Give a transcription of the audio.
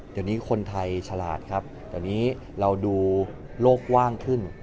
เดี๋ยวนี้คนไทยฉลาดครับตอนนี้เราดูโลกกว้างขึ้น